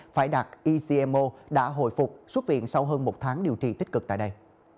phải đặt ecmo đã hồi phục xuất viện sau hơn một tháng điều trị tích cực tại đây